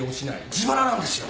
自腹なんですよ。